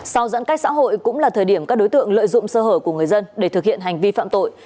sau giãn cách xã hội cũng là thời điểm các đối tượng lợi dụng sơ hở của người dân để thực hiện hành vi phạm tội